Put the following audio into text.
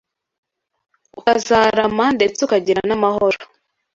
Ukazarama ndetse ukagira n’amahoro